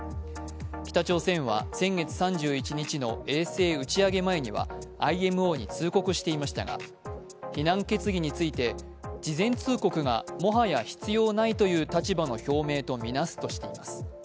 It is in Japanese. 北朝鮮は先月３１日の衛星打ち上げ前にはＩＭＯに通告していましたが非難決議について事前通告がもはや必要ないという立場の表明とみなすとしています。